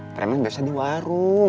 preman biasa di warung